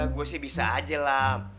gue sih bisa aja lah